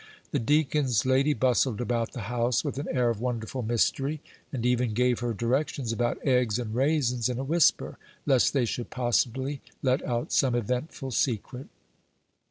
The deacon's lady bustled about the house with an air of wonderful mystery, and even gave her directions about eggs and raisins in a whisper, lest they should possibly let out some eventful secret.